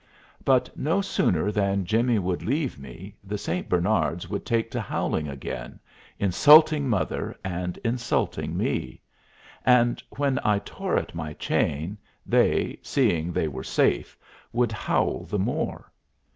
But no sooner than Jimmy would leave me the St. Bernards would take to howling again, insulting mother and insulting me. And when I tore at my chain, they, seeing they were safe, would howl the more.